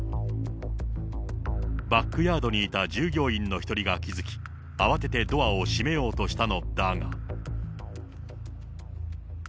バックヤードにいた従業員の１人が気付き、慌ててドアを閉めようとしたのだが。